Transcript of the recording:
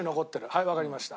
はいわかりました。